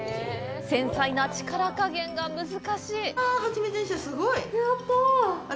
繊細な力加減が難しい！